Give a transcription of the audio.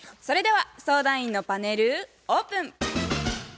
それでは相談員のパネルオープン。